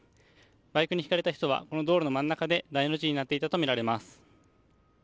バイクにひかれた人はこの道路の真ん中で大の字になっていたとみられます。